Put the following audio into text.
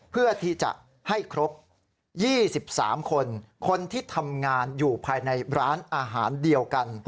เพื่อที่จะให้ครบ๒๓คนคนที่ทำงานอยู่ภายในร้านอาหารเดียวกัน